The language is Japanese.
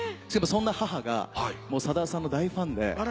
そんな母がさださんの大ファンで。